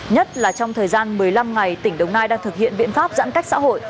nhất là trong thời gian một mươi năm ngày tỉnh đồng nai đang thực hiện biện pháp giãn cách xã hội